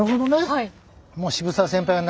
はい。